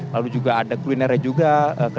lalu juga ada kulinernya juga kedai kedai kopi